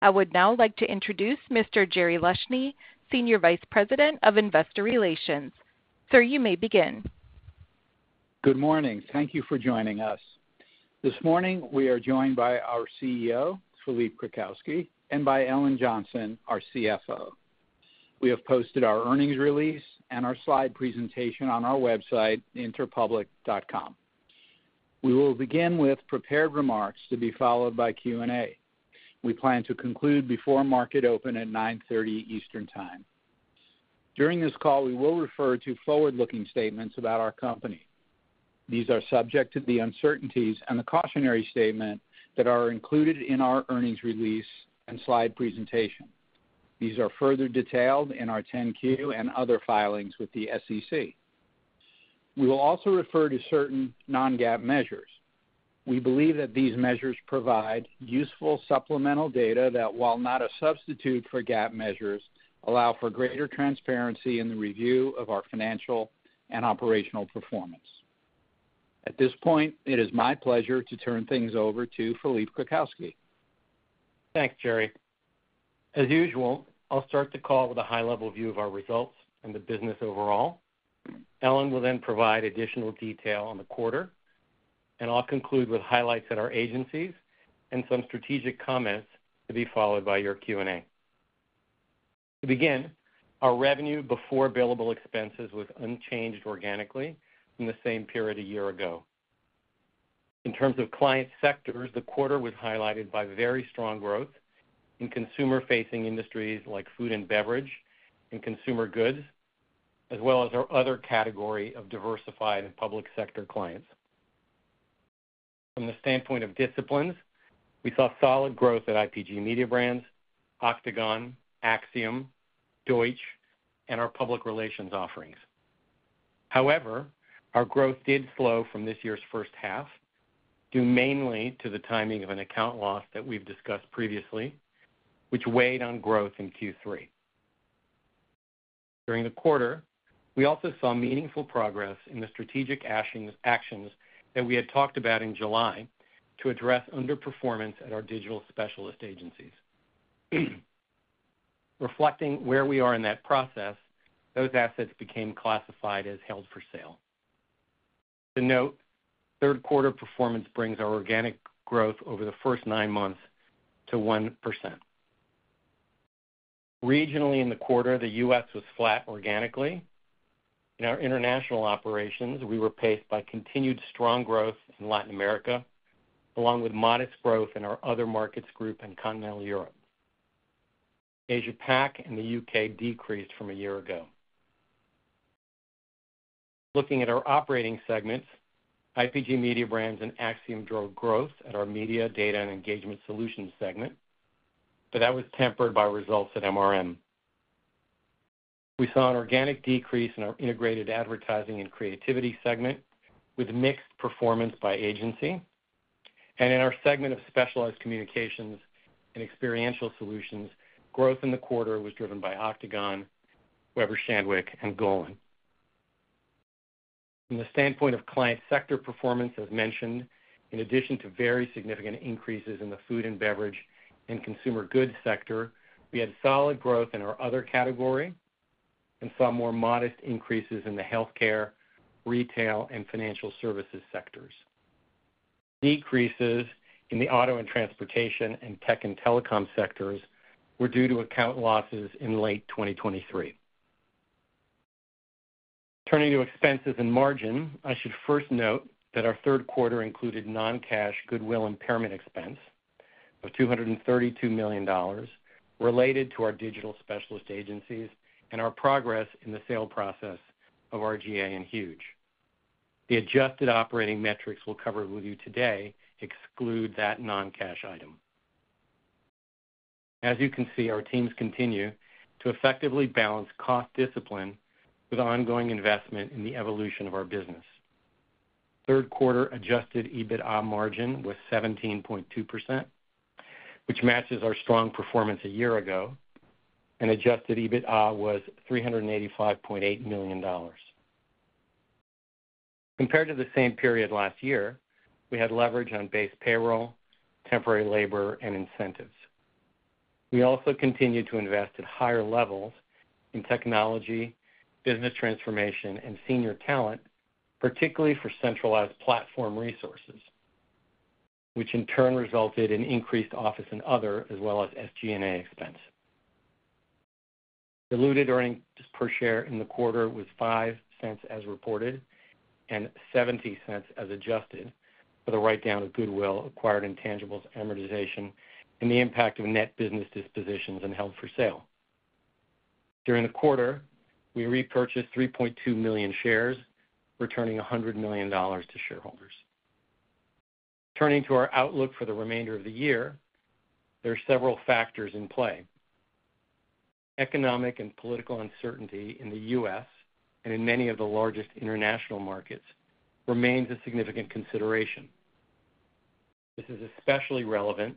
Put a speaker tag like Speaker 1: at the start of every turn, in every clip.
Speaker 1: I would now like to introduce Mr. Jerry Leshne, Senior Vice President of Investor Relations. Sir, you may begin.
Speaker 2: Good morning. Thank you for joining us. This morning, we are joined by our CEO, Philippe Krakowsky, and by Ellen Johnson, our CFO. We have posted our earnings release and our slide presentation on our website, interpublic.com. We will begin with prepared remarks to be followed by Q&A. We plan to conclude before market open at 9:30 A.M. Eastern Time. During this call, we will refer to forward-looking statements about our company. These are subject to the uncertainties and the cautionary statement that are included in our earnings release and slide presentation. These are further detailed in our 10-Q and other filings with the SEC. We will also refer to certain non-GAAP measures. We believe that these measures provide useful supplemental data that, while not a substitute for GAAP measures, allow for greater transparency in the review of our financial and operational performance. At this point, it is my pleasure to turn things over to Philippe Krakowsky.
Speaker 3: Thanks, Jerry. As usual, I'll start the call with a high-level view of our results and the business overall. Ellen will then provide additional detail on the quarter, and I'll conclude with highlights at our agencies and some strategic comments to be followed by your Q&A. To begin, our revenue before billable expenses was unchanged organically from the same period a year ago. In terms of client sectors, the quarter was highlighted by very strong growth in consumer-facing industries like food and beverage and consumer goods, as well as our other category of diversified and public sector clients. From the standpoint of disciplines, we saw solid growth at IPG Mediabrands, Octagon, Acxiom, Deutsch, and our public relations offerings. However, our growth did slow from this year's first half, due mainly to the timing of an account loss that we've discussed previously, which weighed on growth in Q3. During the quarter, we also saw meaningful progress in the strategic actions that we had talked about in July to address underperformance at our digital specialist agencies. Reflecting where we are in that process, those assets became classified as held for sale. To note, third quarter performance brings our organic growth over the first nine months to 1%. Regionally, in the quarter, the U.S. was flat organically. In our international operations, we were paced by continued strong growth in Latin America, along with modest growth in our other markets group in Continental Europe. Asia-Pac and the U.K. decreased from a year ago. Looking at our operating segments, IPG Mediabrands and Acxiom drove growth at our media, data, and engagement solutions segment, but that was tempered by results at MRM. We saw an organic decrease in our integrated advertising and creativity segment, with mixed performance by agency, and in our segment of specialized communications and experiential solutions, growth in the quarter was driven by Octagon, Weber Shandwick and Golin. From the standpoint of client sector performance, as mentioned, in addition to very significant increases in the food and beverage and consumer goods sector, we had solid growth in our other category and saw more modest increases in the healthcare, retail, and financial services sectors. Decreases in the auto and transportation and tech and telecom sectors were due to account losses in late 2023. Turning to expenses and margin, I should first note that our third quarter included non-cash goodwill impairment expense of $232 million related to our digital specialist agencies and our progress in the sale process of R/GA and Huge. The adjusted operating metrics we'll cover with you today exclude that non-cash item. As you can see, our teams continue to effectively balance cost discipline with ongoing investment in the evolution of our business. Third quarter adjusted EBITDA margin was 17.2%, which matches our strong performance a year ago, and adjusted EBITDA was $385.8 million. Compared to the same period last year, we had leverage on base payroll, temporary labor, and incentives. We also continued to invest at higher levels in technology, business transformation, and senior talent, particularly for centralized platform resources, which in turn resulted in increased office and other as well as SG&A expense. Diluted earnings per share in the quarter was $0.05 as reported, and $0.70 as adjusted for the write-down of goodwill, acquired intangibles, amortization, and the impact of net business dispositions and held for sale. During the quarter, we repurchased 3.2 million shares, returning $100 million to shareholders. Turning to our outlook for the remainder of the year, there are several factors in play. Economic and political uncertainty in the U.S. and in many of the largest international markets remains a significant consideration. This is especially relevant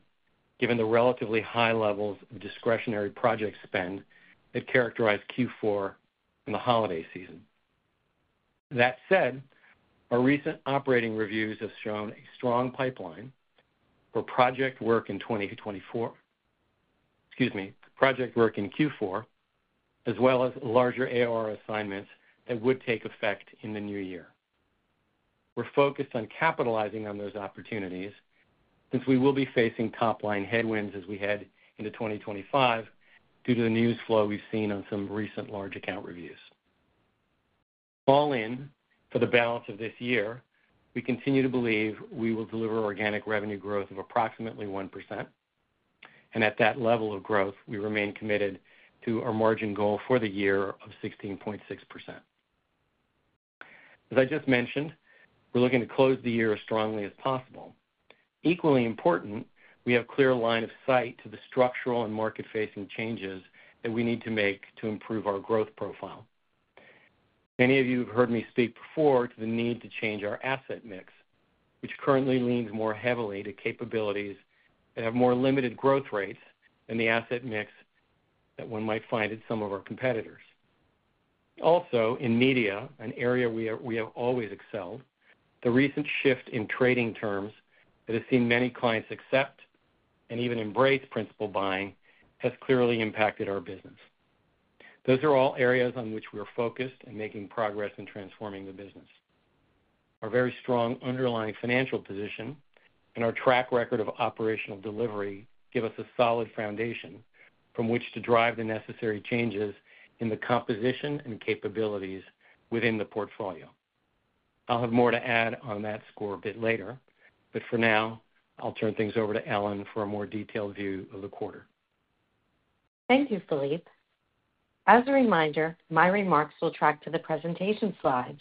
Speaker 3: given the relatively high levels of discretionary project spend that characterized Q4 in the holiday season. That said, our recent operating reviews have shown a strong pipeline for project work in twenty to twenty-four. Excuse me, project work in Q4, as well as larger AR assignments that would take effect in the new year. We're focused on capitalizing on those opportunities, since we will be facing top-line headwinds as we head into twenty twenty-five due to the news flow we've seen on some recent large account reviews. All in, for the balance of this year, we continue to believe we will deliver organic revenue growth of approximately 1%, and at that level of growth, we remain committed to our margin goal for the year of 16.6%. As I just mentioned, we're looking to close the year as strongly as possible. Equally important, we have clear line of sight to the structural and market-facing changes that we need to make to improve our growth profile. Many of you have heard me speak before to the need to change our asset mix, which currently leans more heavily to capabilities that have more limited growth rates than the asset mix that one might find in some of our competitors. Also, in media, an area we have always excelled, the recent shift in trading terms that has seen many clients accept and even embrace principal buying, has clearly impacted our business. Those are all areas on which we are focused and making progress in transforming the business. Our very strong underlying financial position and our track record of operational delivery give us a solid foundation from which to drive the necessary changes in the composition and capabilities within the portfolio. I'll have more to add on that score a bit later, but for now, I'll turn things over to Ellen for a more detailed view of the quarter.
Speaker 4: Thank you, Philippe. As a reminder, my remarks will track to the presentation slides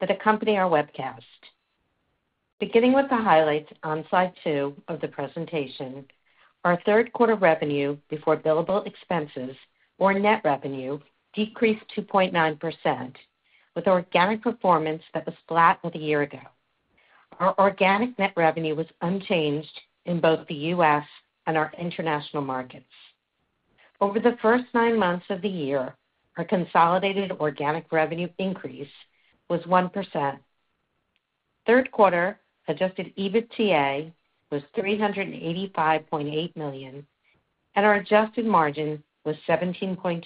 Speaker 4: that accompany our webcast. Beginning with the highlights on slide two of the presentation, our third quarter revenue before billable expenses or net revenue decreased 2.9%, with organic performance that was flat with a year ago. Our organic net revenue was unchanged in both the U.S. and our international markets. Over the first nine months of the year, our consolidated organic revenue increase was 1%. Third quarter adjusted EBITDA was $385.8 million, and our adjusted margin was 17.2%.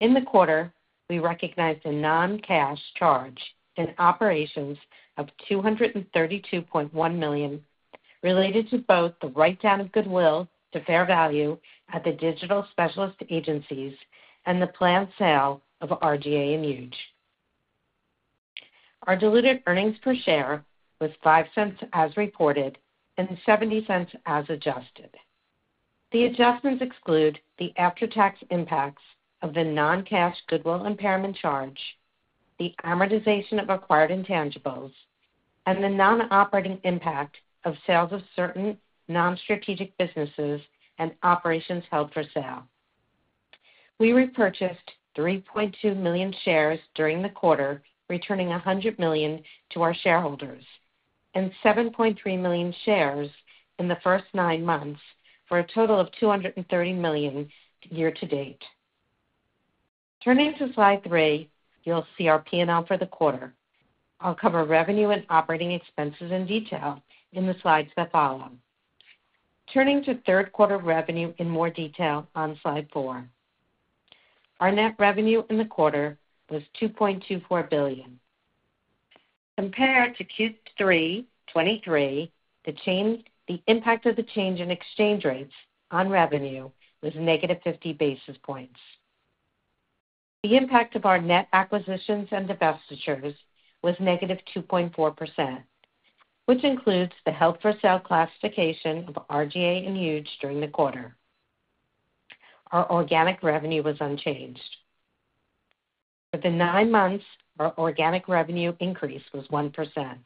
Speaker 4: In the quarter, we recognized a non-cash charge in operations of $232.1 million, related to both the write-down of goodwill to fair value at the digital specialist agencies and the planned sale of R/GA and Huge. Our diluted earnings per share was $0.05 as reported and $0.70 as adjusted. The adjustments exclude the after-tax impacts of the non-cash goodwill impairment charge, the amortization of acquired intangibles, and the non-operating impact of sales of certain non-strategic businesses and operations held for sale. We repurchased 3.2 million shares during the quarter, returning $100 million to our shareholders, and 7.3 million shares in the first nine months, for a total of $230 million year to date. Turning to Slide 3, you'll see our P&L for the quarter. I'll cover revenue and operating expenses in detail in the slides that follow. Turning to third quarter revenue in more detail on Slide 4. Our net revenue in the quarter was $2.24 billion. Compared to Q3 2023, the impact of the change in exchange rates on revenue was a negative 50 basis points. The impact of our net acquisitions and divestitures was -2.4%, which includes the held for sale classification of R/GA and Huge during the quarter. Our organic revenue was unchanged. For the nine months, our organic revenue increase was 1%.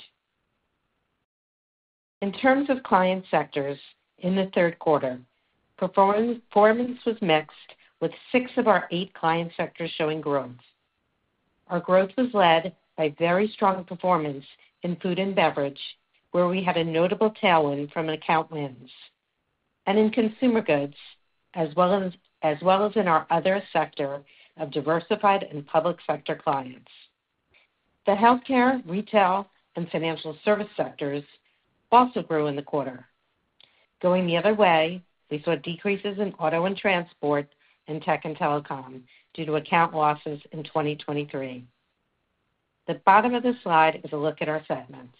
Speaker 4: In terms of client sectors in the third quarter, performance was mixed with six of our eight client sectors showing growth. Our growth was led by very strong performance in food and beverage, where we had a notable tailwind from account wins, and in consumer goods as well as in our other sector of diversified and public sector clients. The healthcare, retail, and financial service sectors also grew in the quarter. Going the other way, we saw decreases in auto and transport and tech and telecom due to account losses in 2023. The bottom of this slide is a look at our segments.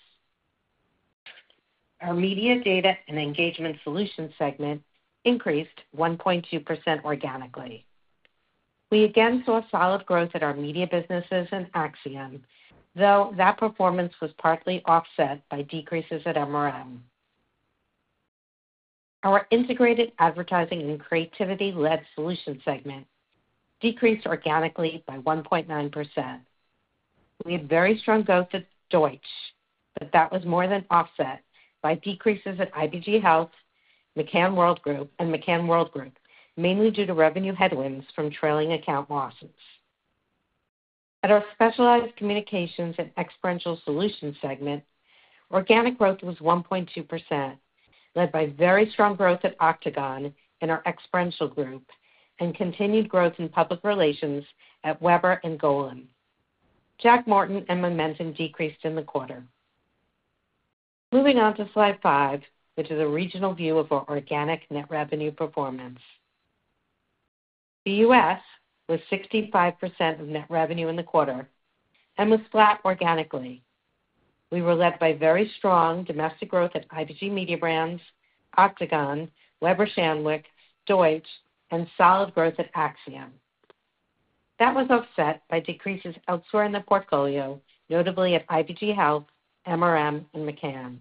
Speaker 4: Our media data and engagement solutions segment increased 1.2% organically. We again saw solid growth at our media businesses in Acxiom, though that performance was partly offset by decreases at MRM. Our integrated advertising and creativity-led solution segment decreased organically by 1.9%. We had very strong growth at Deutsch, but that was more than offset by decreases at IPG Health, McCann Worldgroup, mainly due to revenue headwinds from trailing account losses. At our specialized communications and experiential solutions segment. Organic growth was 1.2%, led by very strong growth at Octagon in our experiential group, and continued growth in public relations at Weber and Golin. Jack Morton and Momentum decreased in the quarter. Moving on to Slide five, which is a regional view of our organic net revenue performance. The U.S. was 65% of net revenue in the quarter and was flat organically. We were led by very strong domestic growth at IPG Mediabrands, Octagon, Weber Shandwick, Deutsch, and solid growth at Acxiom. That was offset by decreases elsewhere in the portfolio, notably at IPG Health, MRM, and McCann.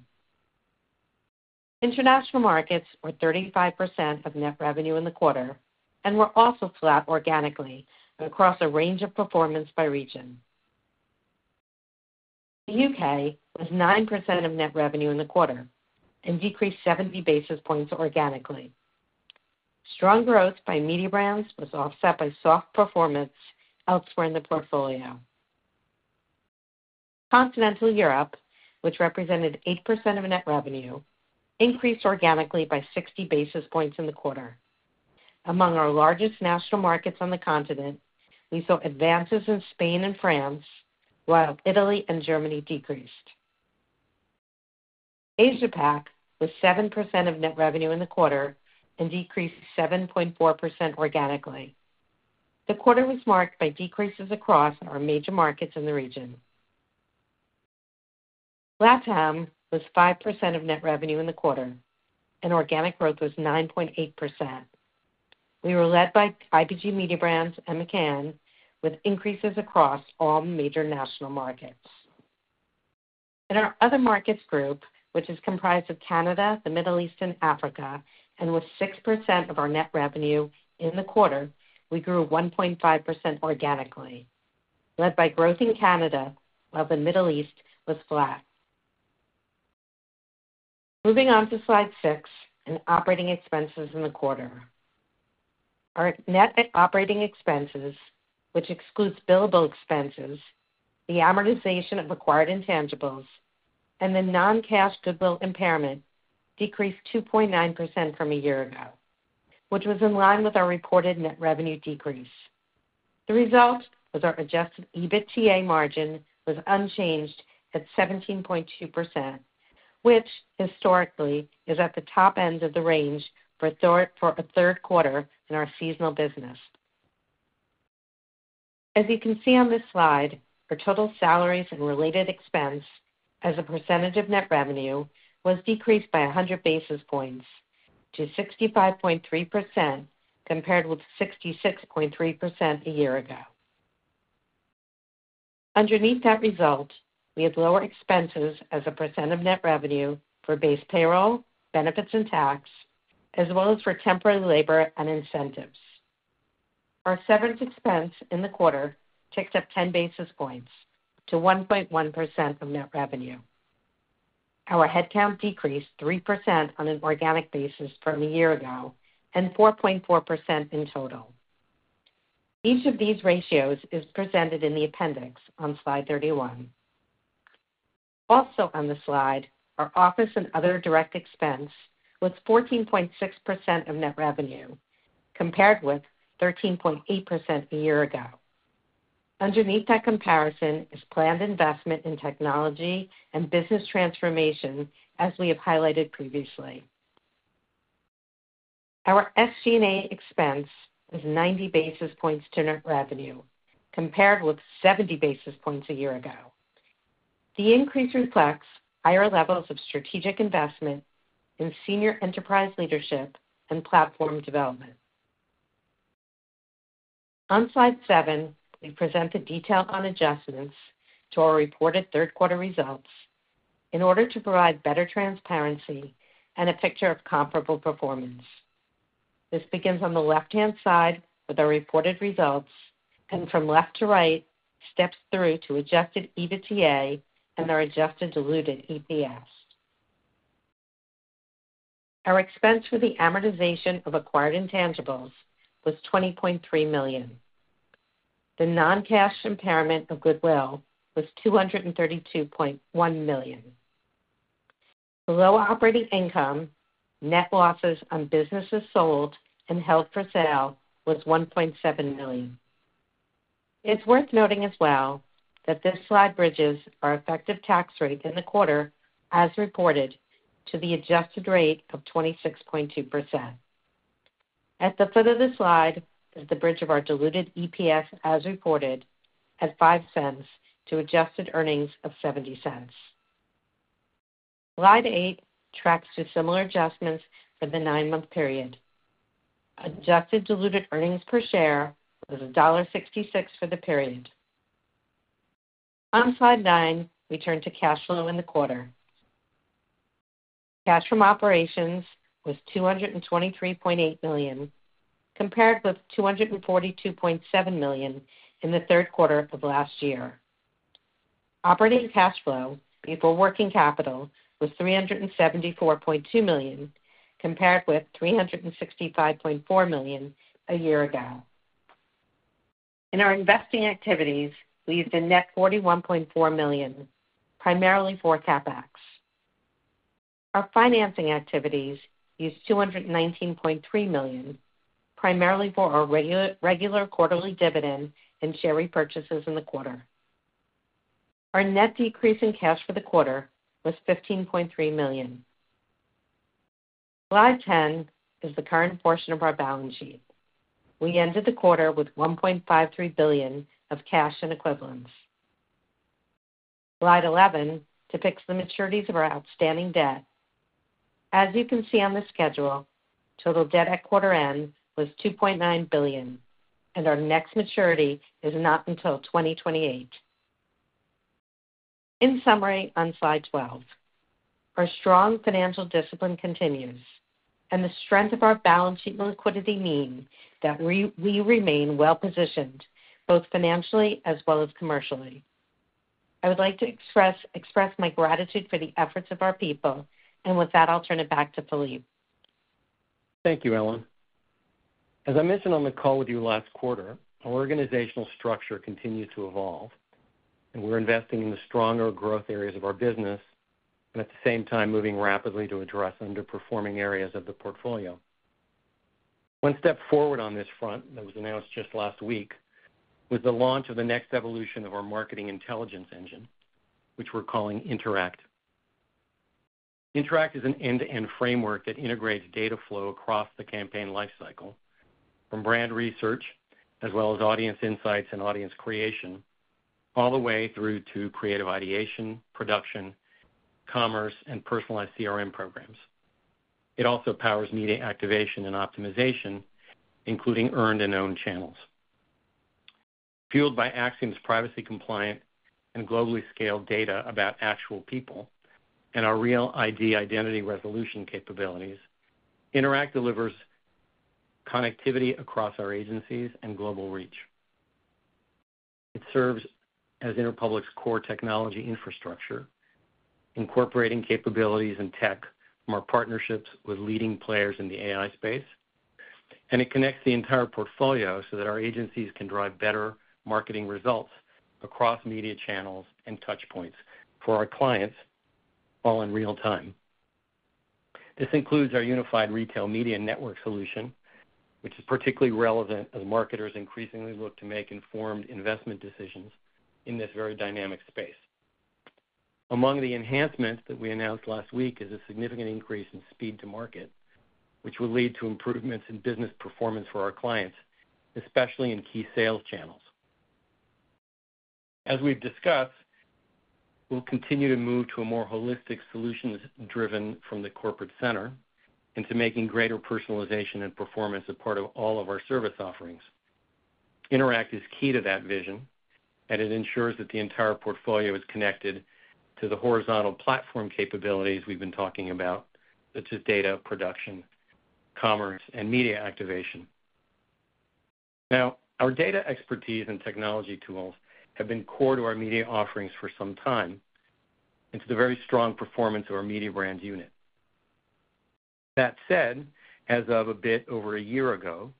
Speaker 4: International markets were 35% of net revenue in the quarter and were also flat organically and across a range of performance by region. The U.K. was 9% of net revenue in the quarter and decreased seventy basis points organically. Strong growth by Mediabrands was offset by soft performance elsewhere in the portfolio. Continental Europe, which represented 8% of net revenue, increased organically by 60 basis points in the quarter. Among our largest national markets on the continent, we saw advances in Spain and France, while Italy and Germany decreased. Asia-Pac was 7% of net revenue in the quarter and decreased 7.4% organically. The quarter was marked by decreases across our major markets in the region. LATAM was 5% of net revenue in the quarter, and organic growth was 9.8%. We were led by IPG Mediabrands and McCann, with increases across all major national markets. In our other markets group, which is comprised of Canada, the Middle East and Africa, and with 6% of our net revenue in the quarter, we grew 1.5% organically, led by growth in Canada, while the Middle East was flat. Moving on to Slide six in operating expenses in the quarter. Our net operating expenses, which excludes billable expenses, the amortization of acquired intangibles, and the non-cash goodwill impairment, decreased 2.9% from a year ago, which was in line with our reported net revenue decrease. The result was our adjusted EBITDA margin was unchanged at 17.2%, which historically is at the top end of the range for a third quarter in our seasonal business. As you can see on this slide, our total salaries and related expense as a percentage of net revenue was decreased by 100 basis points to 65.3%, compared with 66.3% a year ago. Underneath that result, we had lower expenses as a percent of net revenue for base payroll, benefits and tax, as well as for temporary labor and incentives. Our severance expense in the quarter ticked up 10 basis points to 1.1% of net revenue. Our headcount decreased 3% on an organic basis from a year ago and 4.4% in total. Each of these ratios is presented in the appendix on Slide 31. Also on the slide, our office and other direct expense was 14.6% of net revenue, compared with 13.8% a year ago. Underneath that comparison is planned investment in technology and business transformation, as we have highlighted previously. Our SG&A expense was 90 basis points to net revenue, compared with 70 basis points a year ago. The increase reflects higher levels of strategic investment in senior enterprise leadership and platform development. On Slide 7, we present the detail on adjustments to our reported third quarter results in order to provide better transparency and a picture of comparable performance. This begins on the left-hand side with our reported results, and from left to right, steps through to adjusted EBITDA and our adjusted diluted EPS. Our expense for the amortization of acquired intangibles was $20.3 million. The non-cash impairment of goodwill was $232.1 million. Below operating income, net losses on businesses sold and held for sale was $1.7 million. It's worth noting as well, that this slide bridges our effective tax rate in the quarter as reported to the adjusted rate of 26.2%. At the foot of the slide is the bridge of our diluted EPS, as reported at $0.05 to adjusted earnings of $0.70. Slide eight tracks the similar adjustments for the nine-month period. Adjusted diluted earnings per share was $1.66 for the period. On Slide nine, we turn to cash flow in the quarter. Cash from operations was $223.8 million, compared with $242.7 million in the third quarter of last year. Operating cash flow before working capital was $374.2 million, compared with $365.4 million a year ago. In our investing activities, we used a net $41.4 million, primarily for CapEx. Our financing activities used $219.3 million, primarily for our regular quarterly dividend and share repurchases in the quarter. Our net decrease in cash for the quarter was $15.3 million. Slide ten is the current portion of our balance sheet. We ended the quarter with $1.53 billion of cash and equivalents. Slide 11 depicts the maturities of our outstanding debt. As you can see on the schedule, total debt at quarter end was $2.9 billion, and our next maturity is not until 2028. In summary, on slide 12, our strong financial discipline continues and the strength of our balance sheet and liquidity mean that we remain well-positioned, both financially as well as commercially. I would like to express my gratitude for the efforts of our people, and with that, I'll turn it back to Philippe.
Speaker 3: Thank you, Ellen. As I mentioned on the call with you last quarter, our organizational structure continues to evolve, and we're investing in the stronger growth areas of our business, and at the same time, moving rapidly to address underperforming areas of the portfolio. One step forward on this front, that was announced just last week, was the launch of the next evolution of our marketing intelligence engine, which we're calling Interact. Interact is an end-to-end framework that integrates data flow across the campaign life cycle, from brand research, as well as audience insights and audience creation, all the way through to creative ideation, production, commerce, and personalized CRM programs. It also powers media activation and optimization, including earned and owned channels. Fueled by Acxiom's privacy-compliant and globally scaled data about actual people, and our Real ID identity resolution capabilities, Interact delivers connectivity across our agencies and global reach. It serves as Interpublic's core technology infrastructure, incorporating capabilities and tech from our partnerships with leading players in the AI space, and it connects the entire portfolio so that our agencies can drive better marketing results across media channels and touchpoints for our clients, all in real time. This includes our unified retail media network solution, which is particularly relevant as marketers increasingly look to make informed investment decisions in this very dynamic space. Among the enhancements that we announced last week is a significant increase in speed to market, which will lead to improvements in business performance for our clients, especially in key sales channels. As we've discussed, we'll continue to move to a more holistic solutions driven from the corporate center into making greater personalization and performance a part of all of our service offerings. Interact is key to that vision, and it ensures that the entire portfolio is connected to the horizontal platform capabilities we've been talking about, such as data production, commerce, and media activation. Now, our data expertise and technology tools have been core to our media offerings for some time and to the very strong performance of our Mediabrands unit. That said, as of a bit over a year ago,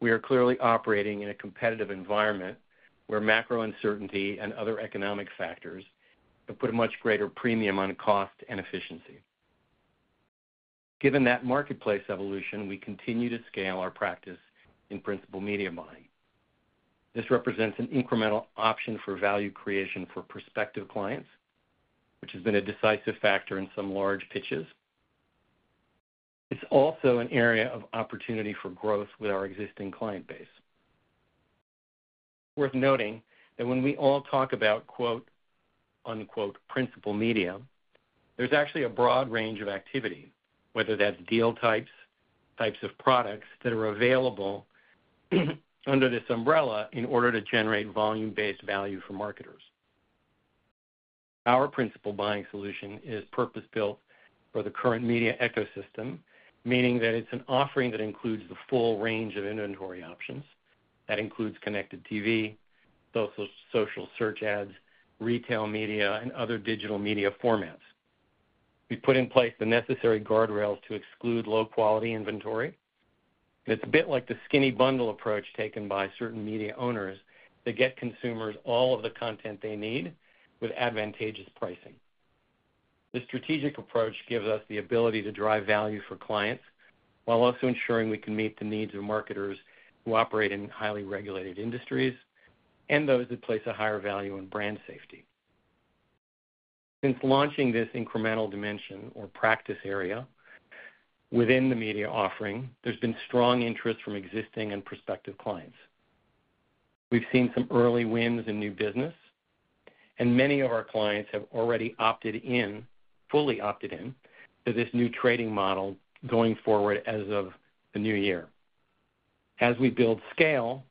Speaker 3: we are clearly operating in a competitive environment where macro uncertainty and other economic factors have put a much greater premium on cost and efficiency. Given that marketplace evolution, we continue to scale our practice in principal media buying. This represents an incremental option for value creation for prospective clients, which has been a decisive factor in some large pitches. It's also an area of opportunity for growth with our existing client base. Worth noting that when we all talk about, quote, unquote, "principal media," there's actually a broad range of activity, whether that's deal types, types of products that are available, under this umbrella in order to generate volume-based value for marketers. Our principal buying solution is purpose-built for the current media ecosystem, meaning that it's an offering that includes the full range of inventory options. That includes connected TV, social, social search ads, retail media, and other digital media formats. We put in place the necessary guardrails to exclude low-quality inventory. It's a bit like the skinny bundle approach taken by certain media owners to get consumers all of the content they need with advantageous pricing. This strategic approach gives us the ability to drive value for clients while also ensuring we can meet the needs of marketers who operate in highly regulated industries and those that place a higher value on brand safety. Since launching this incremental dimension or practice area within the media offering, there's been strong interest from existing and prospective clients. We've seen some early wins in new business, and many of our clients have already opted in, fully opted in, to this new trading model going forward as of the new year. As we build scale,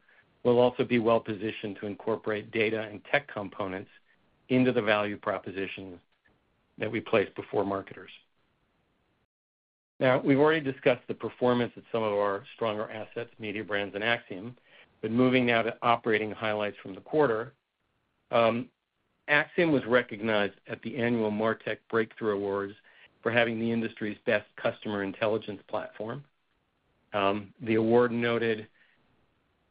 Speaker 3: we'll also be well-positioned to incorporate data and tech components into the value propositions that we place before marketers. Now, we've already discussed the performance of some of our stronger assets, Mediabrands and Acxiom, but moving now to operating highlights from the quarter. Acxiom was recognized at the annual MarTech Breakthrough Awards for having the industry's best customer intelligence platform. The award noted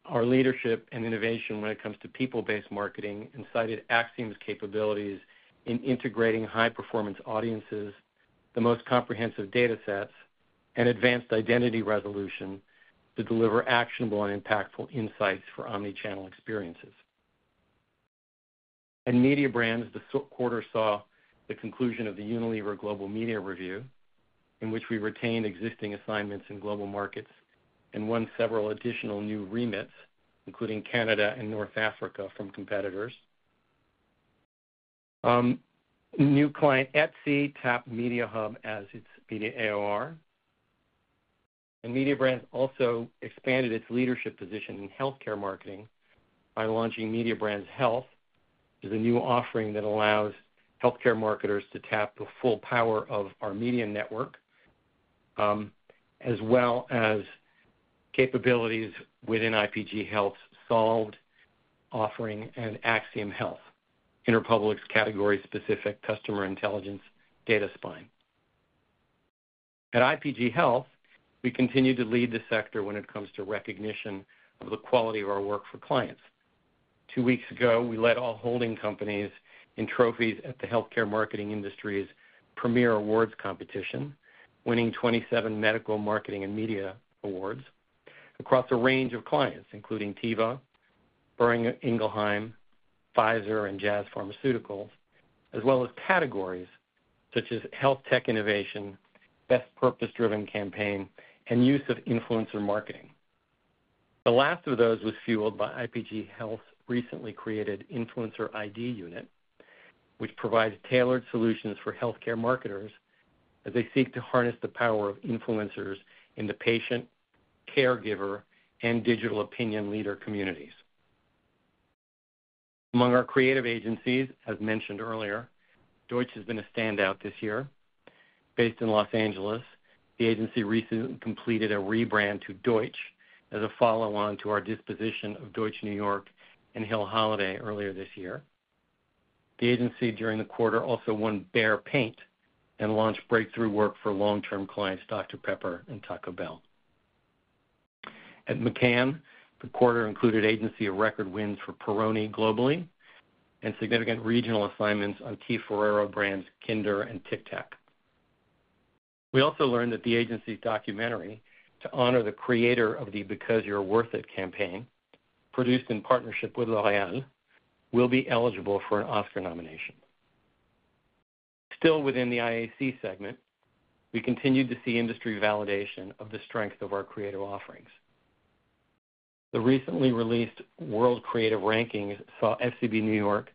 Speaker 3: our leadership and innovation when it comes to people-based marketing and cited Acxiom's capabilities in integrating high-performance audiences, the most comprehensive data sets, and advanced identity resolution to deliver actionable and impactful insights for omni-channel experiences. At Mediabrands, the second quarter saw the conclusion of the Unilever Global Media Review, in which we retained existing assignments in global markets and won several additional new remits, including Canada and North Africa, from competitors. New client Etsy tapped Mediahub as its media AOR, and Mediabrands also expanded its leadership position in healthcare marketing by launching Mediabrands Health, a new offering that allows healthcare marketers to tap the full power of our media network, as well as capabilities within IPG Health's SOLVE(D) offering and Acxiom Health, Interpublic's category-specific customer intelligence data spine. At IPG Health, we continue to lead the sector when it comes to recognition of the quality of our work for clients. Two weeks ago, we led all holding companies in trophies at the healthcare marketing industry's premier awards competition, winning 27 Medical Marketing and Media Awards across a range of clients, including Teva, Boehringer Ingelheim, Pfizer, and Jazz Pharmaceuticals, as well as categories such as Health Tech Innovation, Best Purpose-Driven Campaign, and Use of Influencer Marketing. The last of those was fueled by IPG Health's recently created Influencer ID unit, which provides tailored solutions for healthcare marketers as they seek to harness the power of influencers in the patient, caregiver, and digital opinion leader communities. Among our creative agencies, as mentioned earlier, Deutsch has been a standout this year. Based in Los Angeles, the agency recently completed a rebrand to Deutsch as a follow-on to our disposition of Deutsch New York and Hill Holliday earlier this year. The agency, during the quarter, also won Behr Paint and launched breakthrough work for long-term clients Dr Pepper and Taco Bell. At McCann, the quarter included agency of record wins for Peroni globally and significant regional assignments on Ferrero brands Kinder and Tic Tac. We also learned that the agency's documentary to honor the creator of the Because You're Worth It campaign, produced in partnership with L'Oréal, will be eligible for an Oscar nomination. Still, within the IAC segment, we continued to see industry validation of the strength of our creative offerings. The recently released World Creative Rankings saw FCB New York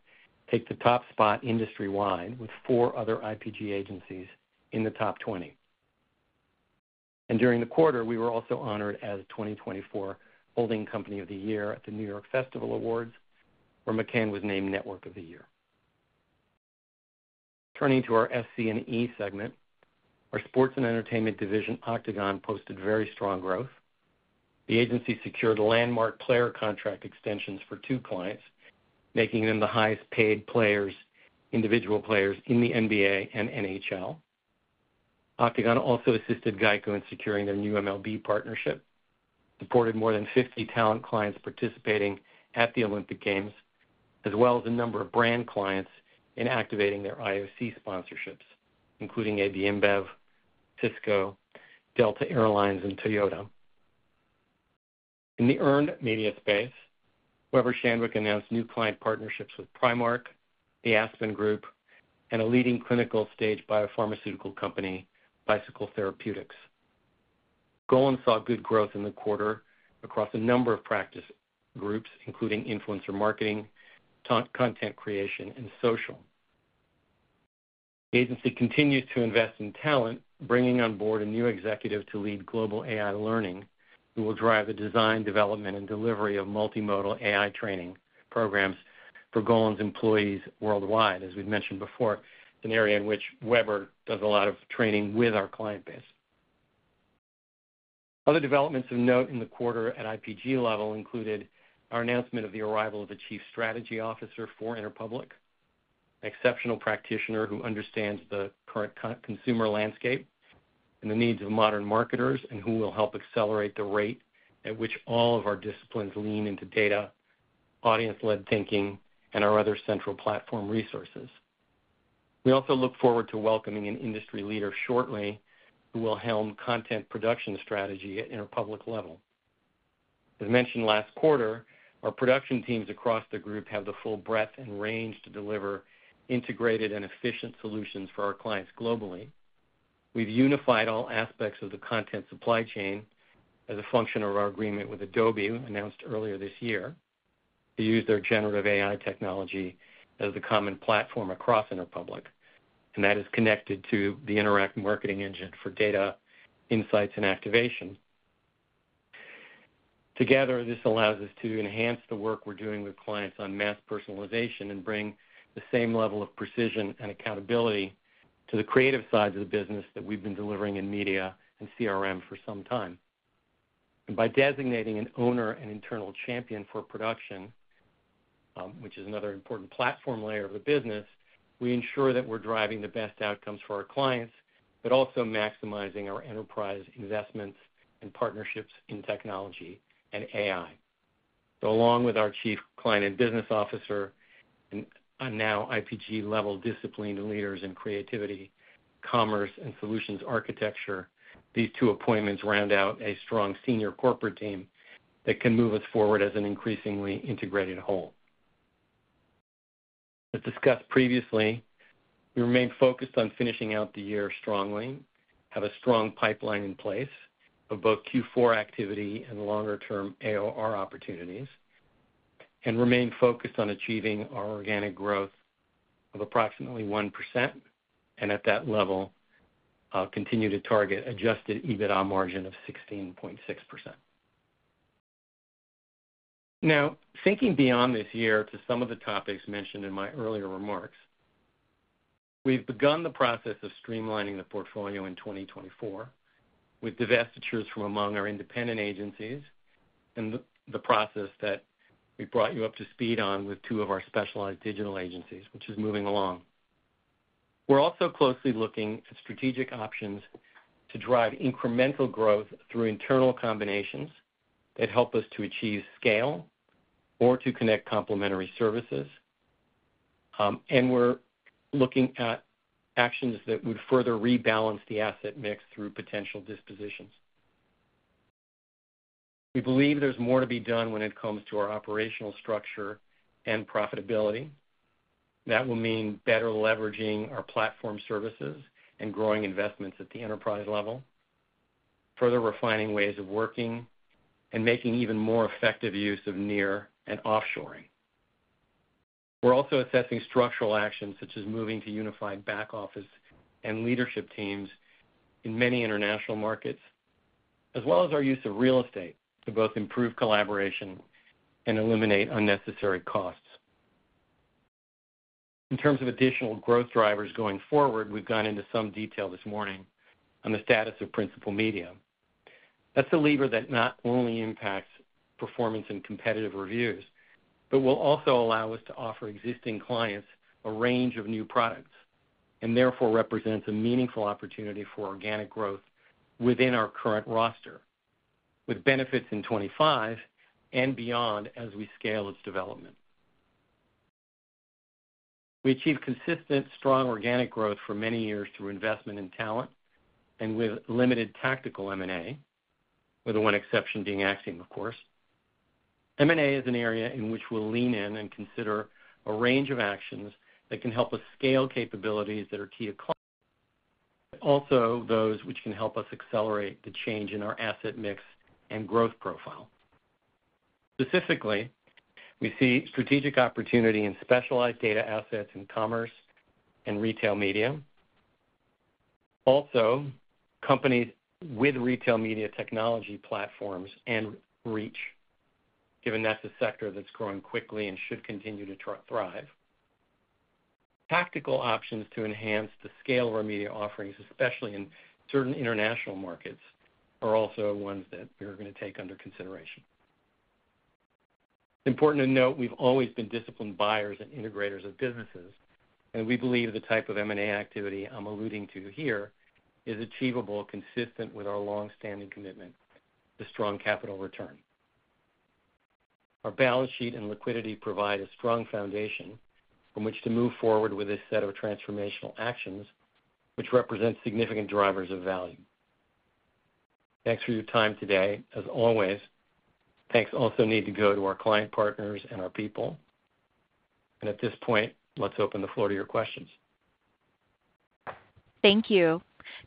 Speaker 3: take the top spot industry-wide, with four other IPG agencies in the top 20, and during the quarter, we were also honored as 2024 Holding Company of the Year at the New York Festival Awards, where McCann was named Network of the Year. Turning to our SC&E segment, our sports and entertainment division, Octagon, posted very strong growth. The agency secured landmark player contract extensions for two clients, making them the highest-paid players, individual players in the NBA and NHL. Octagon also assisted GEICO in securing their new MLB partnership, supported more than 50 talent clients participating at the Olympic Games, as well as a number of brand clients in activating their IOC sponsorships, including AB InBev, Cisco, Delta Air Lines, and Toyota. In the earned media space, Weber Shandwick announced new client partnerships with Primark, The Aspen Group, and a leading clinical-stage biopharmaceutical company, Bicycle Therapeutics. Golin saw good growth in the quarter across a number of practice groups, including influencer marketing, content creation, and social. The agency continues to invest in talent, bringing on board a new executive to lead global AI learning, who will drive the design, development, and delivery of multimodal AI training programs for Golin's employees worldwide. As we've mentioned before, it's an area in which Weber does a lot of training with our client base. Other developments of note in the quarter at IPG level included our announcement of the arrival of a chief strategy officer for Interpublic, an exceptional practitioner who understands the current consumer landscape and the needs of modern marketers, and who will help accelerate the rate at which all of our disciplines lean into data, audience-led thinking, and our other central platform resources. We also look forward to welcoming an industry leader shortly, who will helm content production strategy at Interpublic level. As mentioned last quarter, our production teams across the group have the full breadth and range to deliver integrated and efficient solutions for our clients globally. We've unified all aspects of the content supply chain as a function of our agreement with Adobe, announced earlier this year, to use their generative AI technology as the common platform across Interpublic, and that is connected to the interactive marketing engine for data, insights, and activation. Together, this allows us to enhance the work we're doing with clients on mass personalization and bring the same level of precision and accountability to the creative side of the business that we've been delivering in media and CRM for some time... and by designating an owner and internal champion for production, which is another important platform layer of the business, we ensure that we're driving the best outcomes for our clients, but also maximizing our enterprise investments and partnerships in technology and AI. Along with our Chief Client and Business Officer, and now IPG-level discipline leaders in creativity, commerce, and solutions architecture, these two appointments round out a strong senior corporate team that can move us forward as an increasingly integrated whole. As discussed previously, we remain focused on finishing out the year strongly, have a strong pipeline in place of both Q4 activity and longer-term AOR opportunities, and remain focused on achieving our organic growth of approximately 1%, and at that level, continue to target adjusted EBITDA margin of 16.6%. Now, thinking beyond this year to some of the topics mentioned in my earlier remarks, we've begun the process of streamlining the portfolio in twenty twenty-four, with divestitures from among our independent agencies and the process that we brought you up to speed on with two of our specialized digital agencies, which is moving along. We're also closely looking at strategic options to drive incremental growth through internal combinations that help us to achieve scale or to connect complementary services. And we're looking at actions that would further rebalance the asset mix through potential dispositions. We believe there's more to be done when it comes to our operational structure and profitability. That will mean better leveraging our platform services and growing investments at the enterprise level, further refining ways of working and making even more effective use of near and offshoring. We're also assessing structural actions, such as moving to unified back office and leadership teams in many international markets, as well as our use of real estate to both improve collaboration and eliminate unnecessary costs. In terms of additional growth drivers going forward, we've gone into some detail this morning on the status of principal media. That's a lever that not only impacts performance and competitive reviews, but will also allow us to offer existing clients a range of new products, and therefore represents a meaningful opportunity for organic growth within our current roster, with benefits in 2025 and beyond as we scale its development. We achieved consistent, strong organic growth for many years through investment in talent and with limited tactical M&A, with the one exception being Acxiom, of course. M&A is an area in which we'll lean in and consider a range of actions that can help us scale capabilities that are key to clients, but also those which can help us accelerate the change in our asset mix and growth profile. Specifically, we see strategic opportunity in specialized data assets in commerce and retail media. Also, companies with retail media technology platforms and reach, given that's a sector that's growing quickly and should continue to thrive. Tactical options to enhance the scale of our media offerings, especially in certain international markets, are also ones that we are going to take under consideration. Important to note, we've always been disciplined buyers and integrators of businesses, and we believe the type of M&A activity I'm alluding to here is achievable, consistent with our long-standing commitment to strong capital return. Our balance sheet and liquidity provide a strong foundation from which to move forward with this set of transformational actions, which represent significant drivers of value. Thanks for your time today, as always. Thanks also need to go to our client partners and our people. And at this point, let's open the floor to your questions.
Speaker 1: Thank you.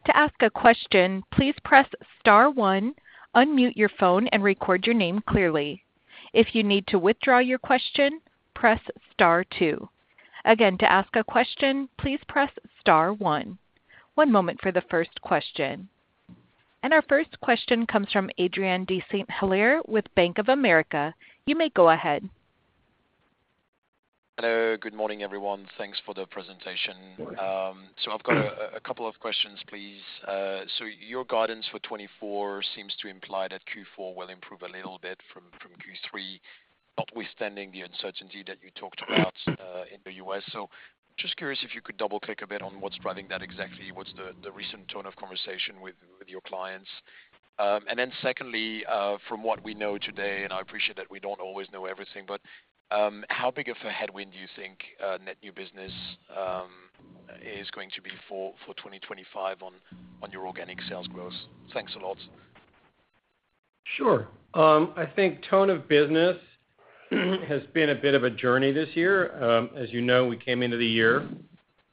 Speaker 1: To ask a question, please press star one, unmute your phone, and record your name clearly. If you need to withdraw your question, press star two. Again, to ask a question, please press star one. One moment for the first question. Our first question comes from Adrien de Saint Hilaire with Bank of America. You may go ahead.
Speaker 5: Hello, good morning, everyone. Thanks for the presentation. So I've got a couple of questions, please. So your guidance for 2024 seems to imply that Q4 will improve a little bit from Q3, notwithstanding the uncertainty that you talked about in the U.S.. So just curious if you could double-click a bit on what's driving that exactly. What's the recent tone of conversation with your clients? And then secondly, from what we know today, and I appreciate that we don't always know everything, but how big of a headwind do you think net new business is going to be for 2025 on your organic sales growth? Thanks a lot.
Speaker 3: Sure. I think tone of business has been a bit of a journey this year. As you know, we came into the year,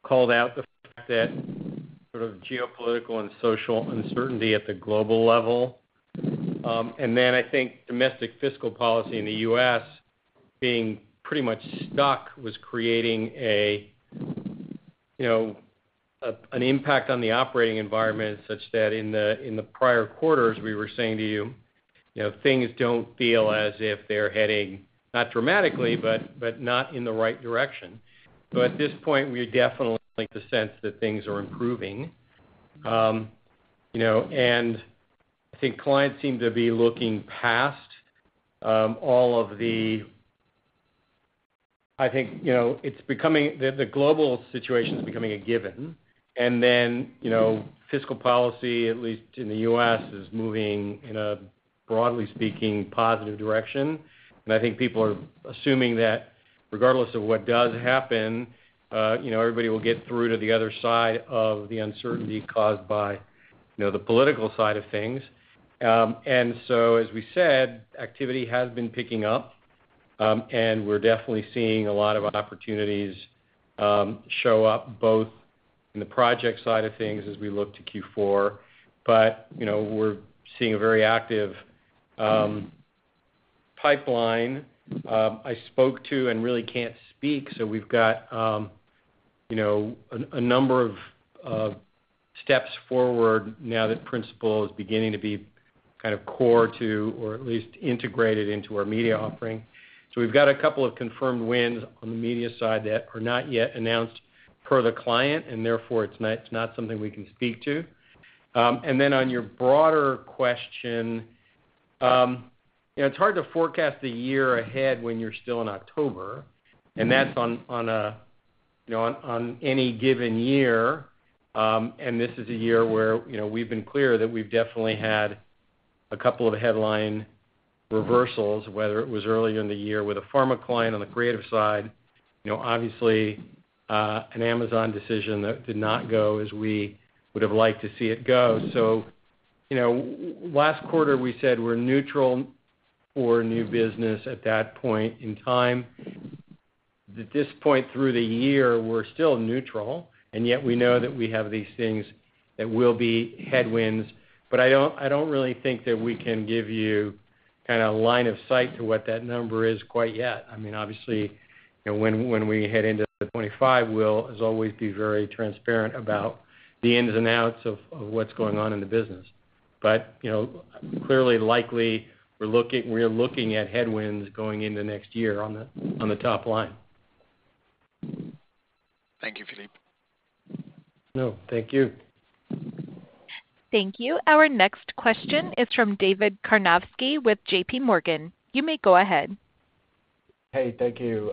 Speaker 3: called out the fact that sort of geopolitical and social uncertainty at the global level, and then I think domestic fiscal policy in the U.S. being pretty much stuck, was creating a, you know, an impact on the operating environment, such that in the prior quarters, we were saying to you, you know, things don't feel as if they're heading, not dramatically, but not in the right direction. But at this point, we definitely like the sense that things are improving. You know, and I think clients seem to be looking past all of the. I think, you know, it's becoming. The global situation is becoming a given. And then, you know, fiscal policy, at least in the U.S., is moving in a, broadly speaking, positive direction. And I think people are assuming that regardless of what does happen, you know, everybody will get through to the other side of the uncertainty caused by, you know, the political side of things. And so as we said, activity has been picking up, and we're definitely seeing a lot of opportunities show up, both in the project side of things as we look to Q4, but, you know, we're seeing a very active pipeline. I spoke to and really can't speak, so we've got, you know, a number of steps forward now that Principal is beginning to be kind of core to, or at least integrated into our media offering. We've got a couple of confirmed wins on the media side that are not yet announced per the client, and therefore, it's not something we can speak to. On your broader question, you know, it's hard to forecast a year ahead when you're still in October, and that's on any given year. This is a year where, you know, we've been clear that we've definitely had a couple of headline reversals, whether it was earlier in the year with a pharma client on the creative side, you know, obviously, an Amazon decision that did not go as we would have liked to see it go. Last quarter, we said we're neutral for new business at that point in time. At this point through the year, we're still neutral, and yet we know that we have these things that will be headwinds. But I don't, I don't really think that we can give you kind of line of sight to what that number is quite yet. I mean, obviously, you know, when, when we head into 2025, we'll, as always, be very transparent about the ins and outs of, of what's going on in the business. But, you know, clearly, likely, we're looking, we're looking at headwinds going into next year on the, on the top line.
Speaker 5: Thank you, Philippe.
Speaker 3: No, thank you.
Speaker 1: Thank you. Our next question is from David Karnovsky with JPMorgan. You may go ahead.
Speaker 6: Hey, thank you.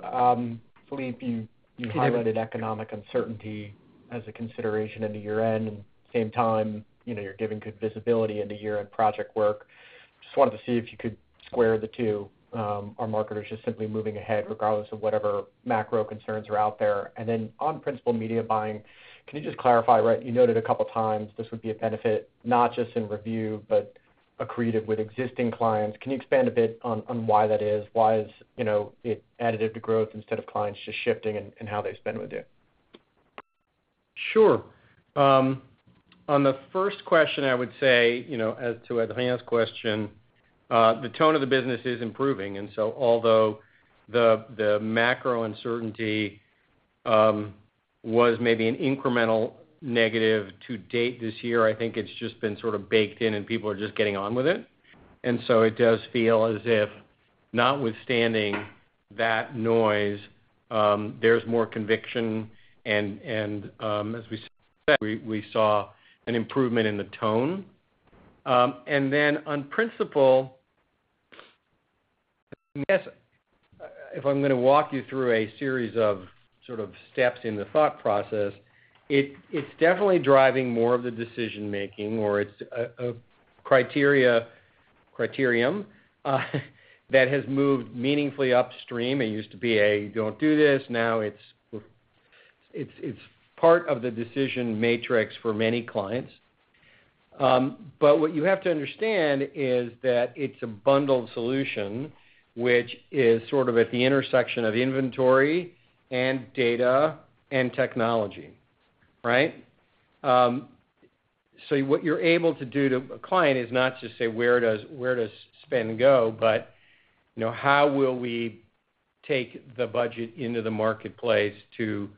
Speaker 6: Philippe, you highlighted economic uncertainty as a consideration into year-end, and at the same time, you know, you're giving good visibility into year-end project work. Just wanted to see if you could square the two. Are marketers just simply moving ahead regardless of whatever macro concerns are out there? And then on principal media buying, can you just clarify, right? You noted a couple of times this would be a benefit, not just in review, but accretive with existing clients. Can you expand a bit on why that is? Why is, you know, it additive to growth instead of clients just shifting in how they spend with you?
Speaker 3: Sure. On the first question, I would say, you know, as to Adrien's question, the tone of the business is improving, and so although the macro uncertainty was maybe an incremental negative to date this year, I think it's just been sort of baked in, and people are just getting on with it. And so it does feel as if, notwithstanding that noise, there's more conviction, and as we said, we saw an improvement in the tone. And then on principal, if I'm gonna walk you through a series of sort of steps in the thought process, it's definitely driving more of the decision making, or it's a criterion that has moved meaningfully upstream. It used to be a, "Don't do this," now it's part of the decision matrix for many clients. But what you have to understand is that it's a bundled solution, which is sort of at the intersection of inventory and data and technology, right? So what you're able to do to a client is not just say, where does spend go, but, you know, how will we take the budget into the marketplace to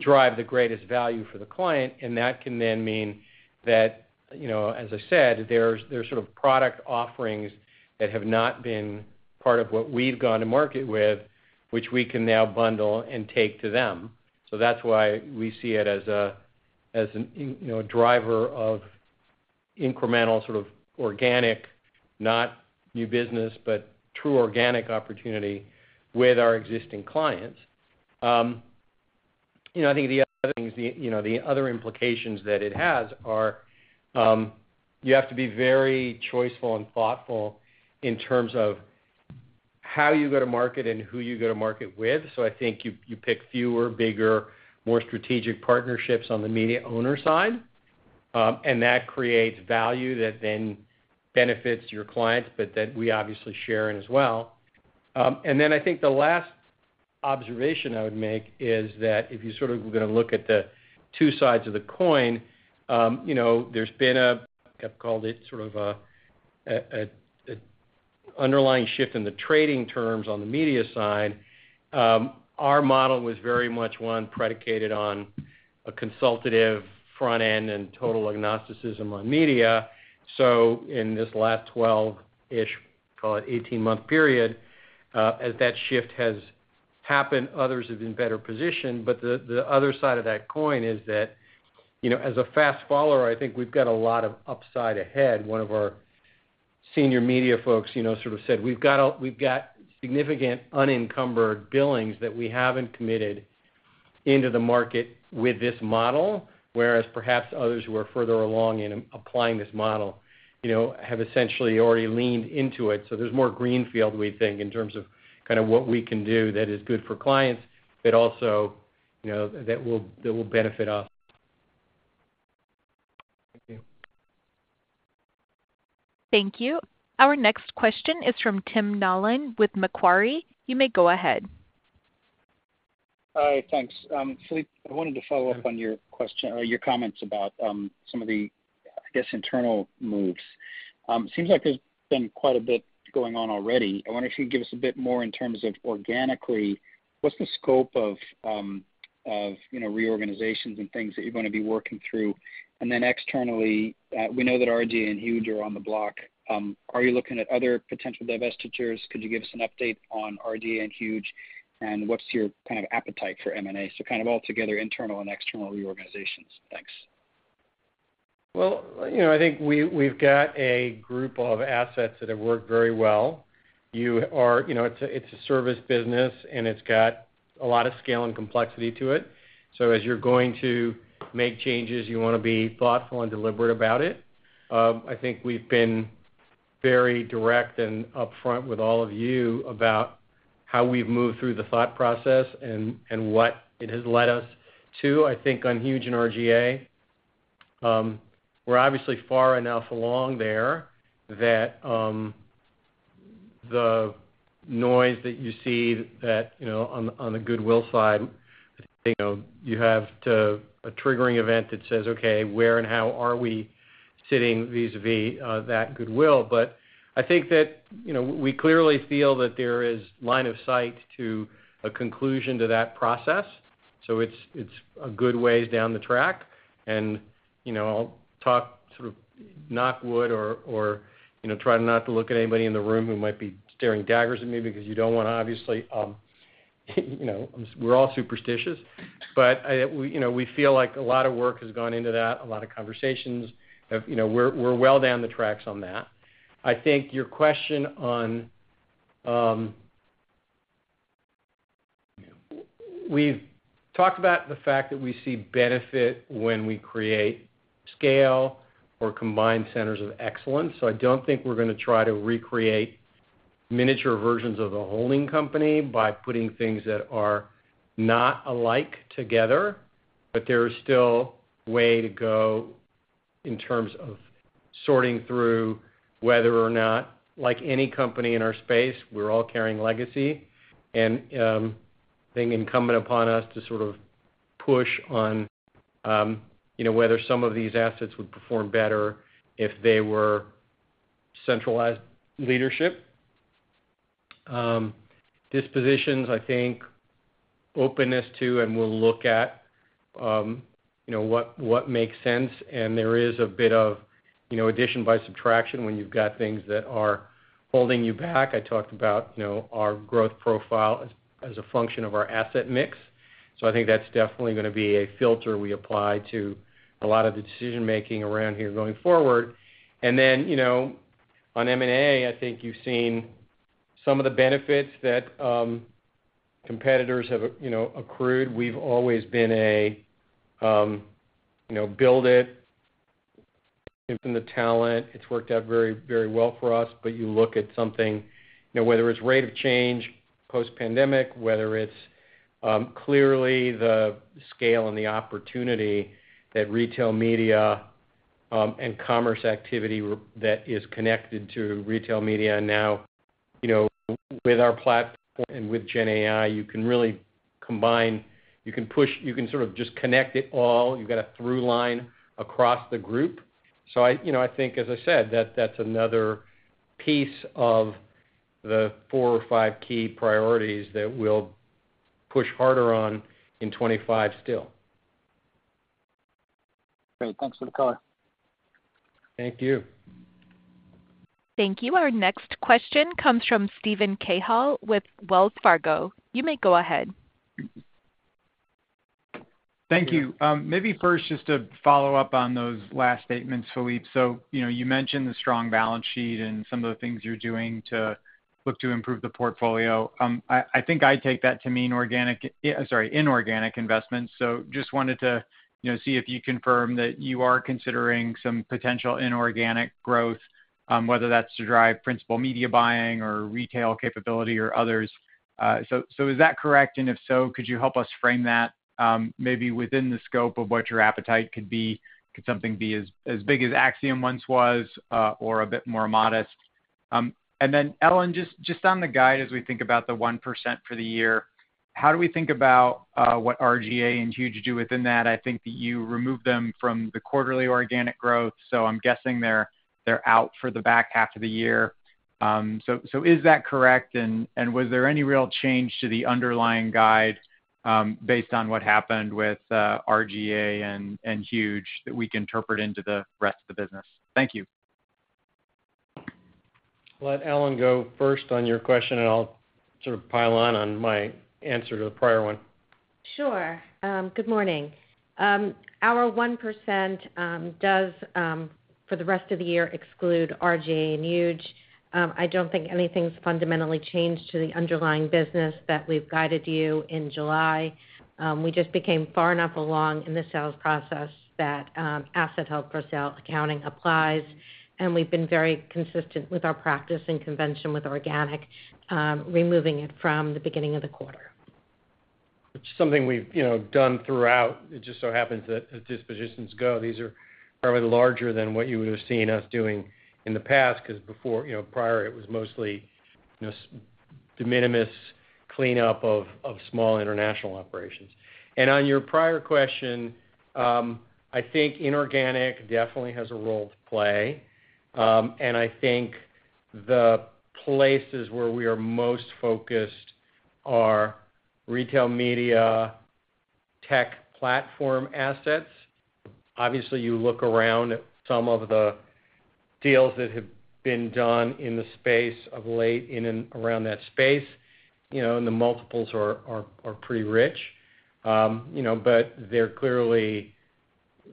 Speaker 3: drive the greatest value for the client? And that can then mean that, you know, as I said, there's sort of product offerings that have not been part of what we've gone to market with, which we can now bundle and take to them. So that's why we see it as an, you know, driver of incremental, sort of organic, not new business, but true organic opportunity with our existing clients. You know, I think the other things, you know, the other implications that it has are you have to be very choiceful and thoughtful in terms of how you go to market and who you go to market with. So I think you pick fewer, bigger, more strategic partnerships on the media owner side, and that creates value that then benefits your clients, but that we obviously share in as well. And then I think the last observation I would make is that if you sort of gonna look at the two sides of the coin, you know, there's been a, I've called it, sort of an underlying shift in the trading terms on the media side. Our model was very much one predicated on a consultative front end and total agnosticism on media. So in this last twelve-ish, call it eighteen-month period, as that shift has happened, others have been better positioned. But the other side of that coin is that, you know, as a fast follower, I think we've got a lot of upside ahead. One of our senior media folks, you know, sort of said, we've got significant unencumbered billings that we haven't committed into the market with this model, whereas perhaps others who are further along in applying this model, you know, have essentially already leaned into it. So there's more greenfield, we think, in terms of kind of what we can do that is good for clients, but also, you know, that will benefit us.
Speaker 6: Thank you.
Speaker 1: Thank you. Our next question is from Tim Nollen with Macquarie. You may go ahead.
Speaker 7: Hi, thanks. Philippe, I wanted to follow up on your question or your comments about, some of the, I guess, internal moves. It seems like there's been quite a bit going on already. I wonder if you'd give us a bit more in terms of organically, what's the scope of, you know, reorganizations and things that you're gonna be working through? And then externally, we know that R/GA and Huge are on the block. Are you looking at other potential divestitures? Could you give us an update on R/GA and Huge? And what's your kind of appetite for M&A? So kind of altogether, internal and external reorganizations. Thanks.
Speaker 3: Well, you know, I think we, we've got a group of assets that have worked very well. You know, it's a, it's a service business, and it's got a lot of scale and complexity to it. So as you're going to make changes, you wanna be thoughtful and deliberate about it. I think we've been very direct and upfront with all of you about how we've moved through the thought process and what it has led us to. I think on Huge and R/GA, we're obviously far enough along there that, the noise that you see that, you know, on the, on the goodwill side, you know, you have to a triggering event that says, "Okay, where and how are we sitting vis-à-vis, that goodwill?" But I think that, you know, we clearly feel that there is line of sight to a conclusion to that process, so it's a good ways down the track. And, you know, I'll talk sort of knock wood or, you know, try not to look at anybody in the room who might be staring daggers at me because you don't wanna obviously, you know, we're all superstitious. But, we, you know, we feel like a lot of work has gone into that, a lot of conversations. You know, we're well down the tracks on that. I think your question on. We've talked about the fact that we see benefit when we create scale or combine centers of excellence, so I don't think we're gonna try to recreate miniature versions of the holding company by putting things that are not alike together. But there is still way to go in terms of sorting through whether or not, like any company in our space, we're all carrying legacy, and being incumbent upon us to sort of push on, you know, whether some of these assets would perform better if they were centralized leadership. Dispositions, I think, openness to, and we'll look at, you know, what, what makes sense, and there is a bit of, you know, addition by subtraction when you've got things that are holding you back. I talked about, you know, our growth profile as a function of our asset mix. So I think that's definitely gonna be a filter we apply to a lot of the decision-making around here going forward. And then, you know, on M&A, I think you've seen some of the benefits that competitors have, you know, accrued. We've always been a, you know, build it from the talent. It's worked out very, very well for us. But you look at something, you know, whether it's rate of change, post-pandemic, whether it's clearly the scale and the opportunity that retail media and commerce activity that is connected to retail media. Now, you know, with our platform and with GenAI, you can really combine. You can sort of just connect it all. You've got a through line across the group. So I, you know, I think, as I said, that that's another piece of the four or five key priorities that we'll push harder on in 2025 still.
Speaker 7: Great. Thanks for the call.
Speaker 3: Thank you.
Speaker 1: Thank you. Our next question comes from Steven Cahall with Wells Fargo. You may go ahead.
Speaker 8: Thank you. Maybe first, just to follow up on those last statements, Philippe. So, you know, you mentioned the strong balance sheet and some of the things you're doing to look to improve the portfolio. I think I take that to mean organic, sorry, inorganic investments. So just wanted to, you know, see if you confirm that you are considering some potential inorganic growth, whether that's to drive principal media buying or retail capability or others. So is that correct? And if so, could you help us frame that, maybe within the scope of what your appetite could be? Could something be as big as Acxiom once was, or a bit more modest? And then, Ellen, just on the guide, as we think about the 1% for the year, how do we think about what R/GA and Huge do within that? I think that you removed them from the quarterly organic growth, so I'm guessing they're out for the back half of the year. So is that correct? And was there any real change to the underlying guide, based on what happened with R/GA and Huge, that we can interpret into the rest of the business? Thank you.
Speaker 3: I'll let Ellen go first on your question, and I'll sort of pile on, on my answer to the prior one....
Speaker 4: Sure. Good morning. Our 1%, does, for the rest of the year, exclude R/GA and Huge. I don't think anything's fundamentally changed to the underlying business that we've guided you in July. We just became far enough along in the sales process that, asset held for sale accounting applies, and we've been very consistent with our practice and convention with organic, removing it from the beginning of the quarter.
Speaker 3: It's something we've, you know, done throughout. It just so happens that as dispositions go, these are probably larger than what you would have seen us doing in the past, 'cause before, you know, prior, it was mostly, you know, de minimis cleanup of small international operations. On your prior question, I think inorganic definitely has a role to play, and I think the places where we are most focused are retail media, tech platform assets. Obviously, you look around at some of the deals that have been done in the space of late, in and around that space, you know, and the multiples are pretty rich. You know, but they're clearly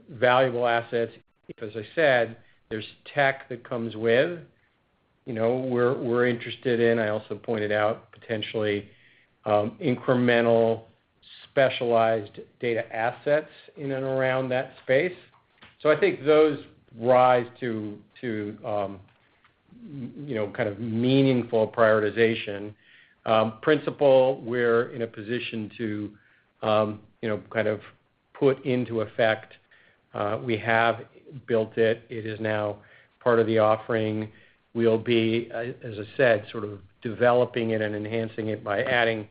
Speaker 3: valuable assets, because as I said, there's tech that comes with. You know, we're interested in. I also pointed out, potentially, incremental, specialized data assets in and around that space. So I think those rise to, you know, kind of meaningful prioritization. Principal, we're in a position to, you know, kind of put into effect, we have built it. It is now part of the offering. We'll be, as I said, sort of developing it and enhancing it by adding,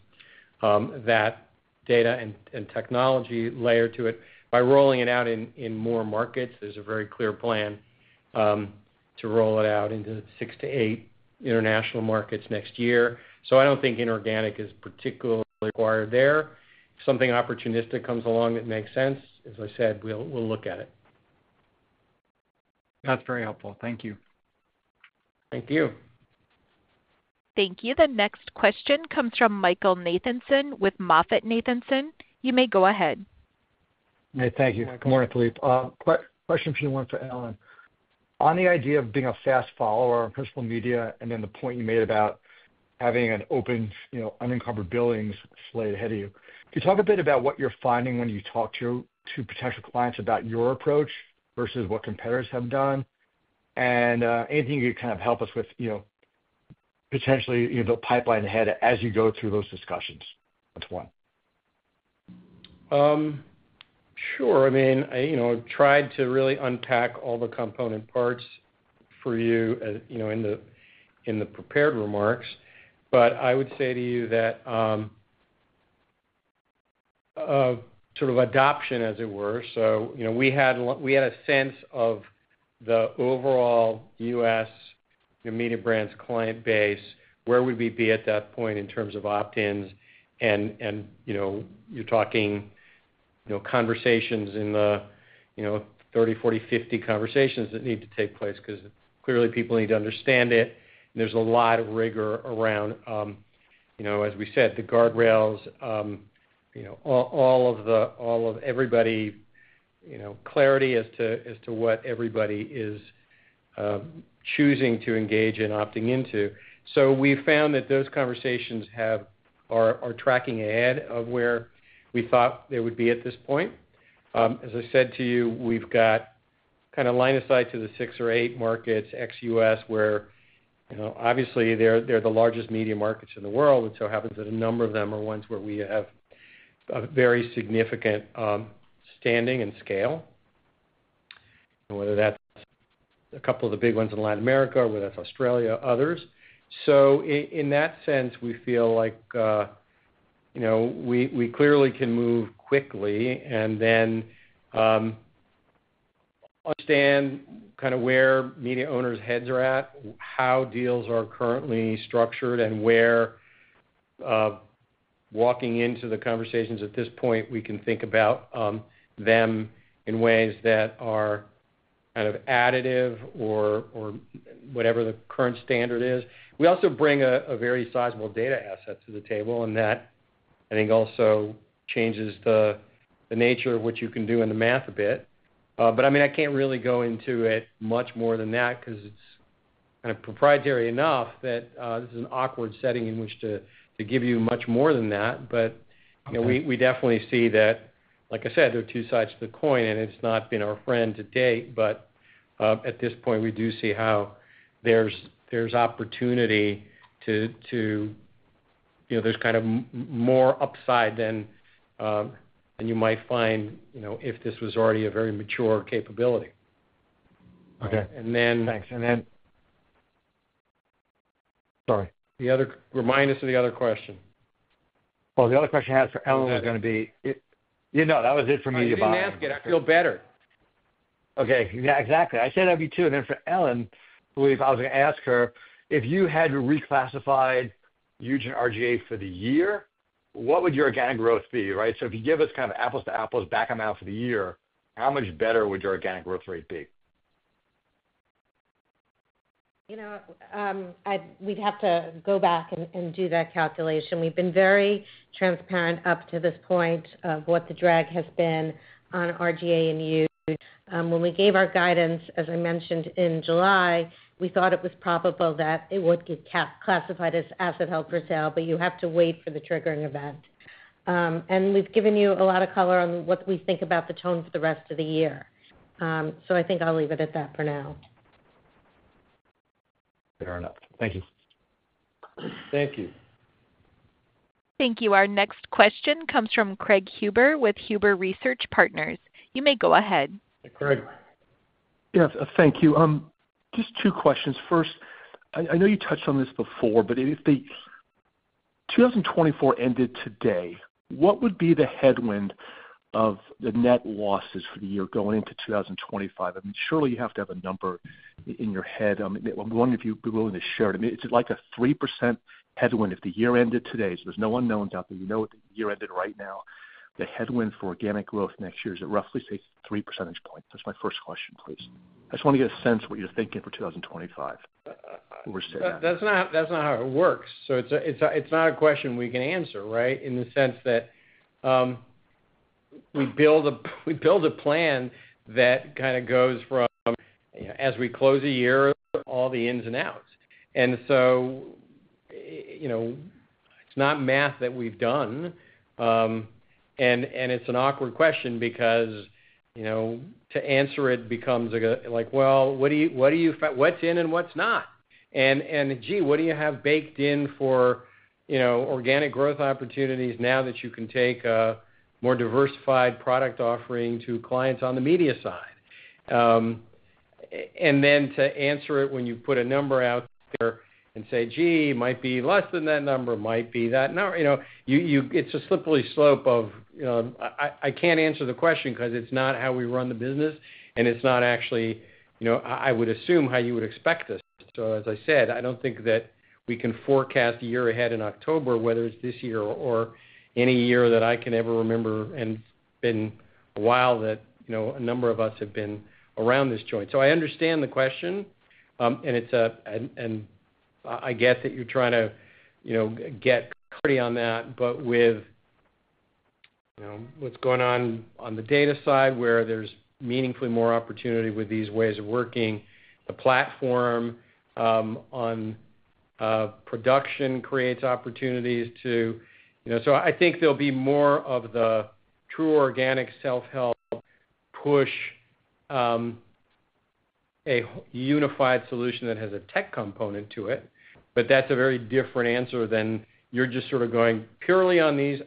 Speaker 3: that data and technology layer to it, by rolling it out in more markets. There's a very clear plan to roll it out into six to eight international markets next year. So I don't think inorganic is particularly required there. If something opportunistic comes along that makes sense, as I said, we'll look at it.
Speaker 8: That's very helpful. Thank you.
Speaker 3: Thank you.
Speaker 1: Thank you. The next question comes from Michael Nathanson with MoffettNathanson. You may go ahead.
Speaker 9: Hey, thank you. Good morning, Philippe. Question, if you want, for Ellen. On the idea of being a fast follower on principal media, and then the point you made about having an open, you know, unencumbered billings slate ahead of you. Can you talk a bit about what you're finding when you talk to potential clients about your approach versus what competitors have done? And, anything you could kind of help us with, you know, potentially, you know, the pipeline ahead as you go through those discussions, that's one.
Speaker 3: Sure. I mean, you know, tried to really unpack all the component parts for you, as, you know, in the prepared remarks, but I would say to you that, sort of adoption, as it were, so, you know, we had a sense of the overall U.S. Mediabrands client base, where would we be at that point in terms of opt-ins, and, you know, you're talking, you know, 30, 40, 50 conversations that need to take place because clearly, people need to understand it. There's a lot of rigor around, you know, as we said, the guardrails, you know, all of the, all of everybody, you know, clarity as to, as to what everybody is, choosing to engage and opting into. So we found that those conversations have... are tracking ahead of where we thought they would be at this point. As I said to you, we've got kind of line of sight to the six or eight markets, ex-US, where, you know, obviously, they're the largest media markets in the world. It so happens that a number of them are ones where we have a very significant standing and scale, and whether that's a couple of the big ones in Latin America, whether that's Australia, others. So in that sense, we feel like, you know, we clearly can move quickly, and then understand kind of where media owners' heads are at, how deals are currently structured, and where walking into the conversations at this point, we can think about them in ways that are kind of additive or whatever the current standard is. We also bring a very sizable data asset to the table, and that, I think, also changes the nature of what you can do in the math a bit. But I mean, I can't really go into it much more than that because it's kind of proprietary enough that this is an awkward setting in which to give you much more than that. But-
Speaker 9: Okay.
Speaker 3: You know, we definitely see that, like I said, there are two sides to the coin, and it's not been our friend to date. But at this point, we do see how there's opportunity to, you know, there's kind of more upside than you might find, you know, if this was already a very mature capability.
Speaker 9: Okay. And then- Thanks, and then... Sorry.
Speaker 3: The other, remind us of the other question.
Speaker 9: The other question I had for Ellen was gonna be-
Speaker 3: Go ahead.
Speaker 9: No, that was it for me, divine.
Speaker 3: You didn't ask it. I feel better.
Speaker 9: Okay, yeah, exactly. I said I'd be too. And then for Ellen, I believe I was gonna ask her: If you had reclassified Huge and R/GA for the year, what would your organic growth be, right? So if you give us kind of apples-to-apples, back them out for the year, how much better would your organic growth rate be? ...
Speaker 4: You know, we'd have to go back and do that calculation. We've been very transparent up to this point of what the drag has been on R/GA and Huge. When we gave our guidance, as I mentioned in July, we thought it was probable that it would get classified as asset held for sale, but you have to wait for the triggering event, and we've given you a lot of color on what we think about the tone for the rest of the year, so I think I'll leave it at that for now.
Speaker 9: Fair enough. Thank you.
Speaker 3: Thank you.
Speaker 1: Thank you. Our next question comes from Craig Huber with Huber Research Partners. You may go ahead.
Speaker 3: Hey, Craig.
Speaker 10: Yeah, thank you. Just two questions. First, I know you touched on this before, but if 2024 ended today, what would be the headwind of the net losses for the year going into 2025? I mean, surely you have to have a number in your head. I'm wondering if you'd be willing to share it. I mean, is it like a 3% headwind if the year ended today? So there's no unknowns out there, you know, if the year ended right now, the headwind for organic growth next year, is it roughly say, three percentage points? That's my first question, please. I just wanna get a sense of what you're thinking for 2025, where we're sitting at.
Speaker 3: That's not, that's not how it works, so it's a, it's a, it's not a question we can answer, right? In the sense that, we build a, we build a plan that kind of goes from, as we close a year, all the ins and outs. And so, you know, it's not math that we've done. And, and it's an awkward question because, you know, to answer it becomes like a-- like, well, what do you, what do you fa-- what's in and what's not? And, and gee, what do you have baked in for, you know, organic growth opportunities now that you can take a more diversified product offering to clients on the media side? To answer it when you put a number out there and say, "Gee, it might be less than that number, it might be that num--" you know, it's a slippery slope of... I can't answer the question 'cause it's not how we run the business, and it's not actually, you know, I would assume, how you would expect us. So as I said, I don't think that we can forecast a year ahead in October, whether it's this year or any year that I can ever remember, and it's been a while that, you know, a number of us have been around this joint. So I understand the question, and it's a... I get that you're trying to, you know, get clarity on that, but with, you know, what's going on on the data side, where there's meaningfully more opportunity with these ways of working, the platform, on production creates opportunities to, you know. So I think there'll be more of the true organic self-help push, a unified solution that has a tech component to it. But that's a very different answer than you're just sort of going purely on these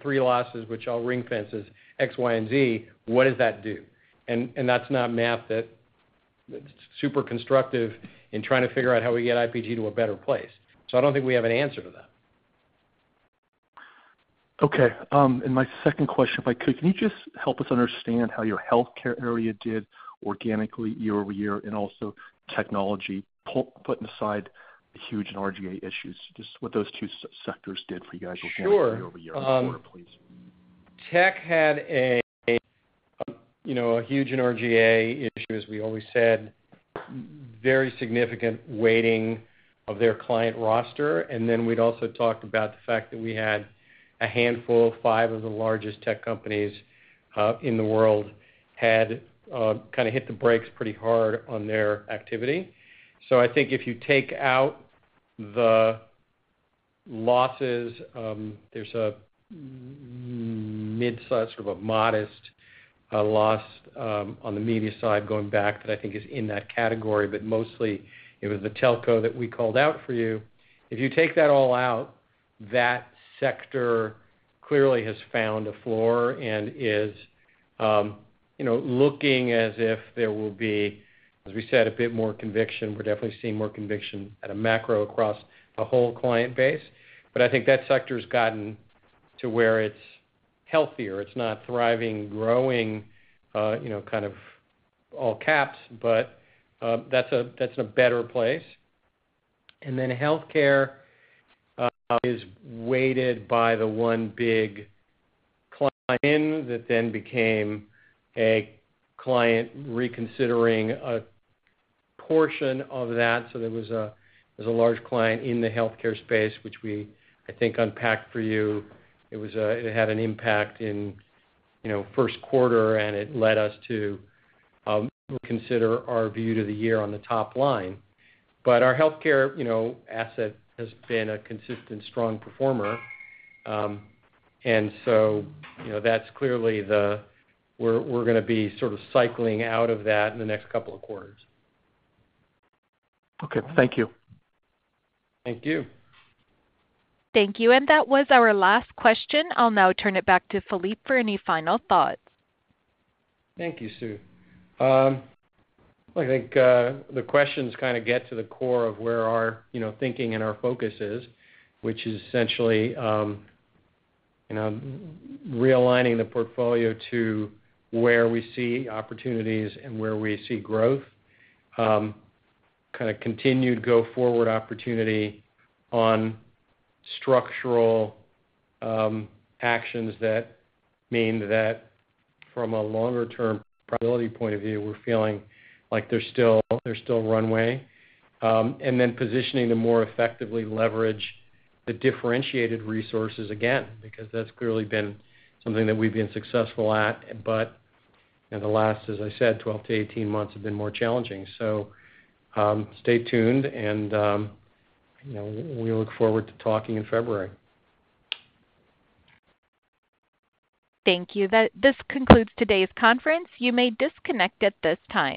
Speaker 3: three losses, which all ringfences X, Y, and Z. What does that do? That's not math that's super constructive in trying to figure out how we get IPG to a better place. So I don't think we have an answer to that.
Speaker 10: Okay, and my second question, if I could, can you just help us understand how your healthcare area did organically year-over-year, and also technology? Putting aside the Huge and R/GA issues, just what those two sectors did for you guys.
Speaker 3: Sure
Speaker 10: year-over-year, please.
Speaker 3: Tech had a, you know, a Huge R/GA issue, as we always said, very significant weighting of their client roster. And then we'd also talked about the fact that we had a handful, five of the largest tech companies in the world had kind of hit the brakes pretty hard on their activity. So I think if you take out the losses, there's a midsize, sort of a modest loss on the media side going back, that I think is in that category, but mostly it was the telco that we called out for you. If you take that all out, that sector clearly has found a floor and is, you know, looking as if there will be, as we said, a bit more conviction. We're definitely seeing more conviction at a macro across the whole client base, but I think that sector's gotten to where it's healthier. It's not thriving, growing, you know, kind of all caps, but that's a, that's in a better place. And then healthcare is weighted by the one big client that then became a client reconsidering a portion of that. So there was a, there was a large client in the healthcare space, which we, I think, unpacked for you. It was it had an impact in, you know, first quarter, and it led us to consider our view to the year on the top line. But our healthcare, you know, asset has been a consistent, strong performer. And so, you know, that's clearly the we're, we're gonna be sort of cycling out of that in the next couple of quarters.
Speaker 10: Okay, thank you.
Speaker 3: Thank you.
Speaker 1: Thank you, and that was our last question. I'll now turn it back to Philippe for any final thoughts.
Speaker 3: Thank you, Sue. I think the questions kind of get to the core of where our, you know, thinking and our focus is, which is essentially, you know, realigning the portfolio to where we see opportunities and where we see growth. Kind of continued go forward opportunity on structural actions that mean that from a longer term probability point of view, we're feeling like there's still runway. And then positioning to more effectively leverage the differentiated resources again, because that's clearly been something that we've been successful at. But in the last, as I said, 12-18 months have been more challenging. So, stay tuned and, you know, we look forward to talking in February.
Speaker 1: Thank you. This concludes today's conference. You may disconnect at this time.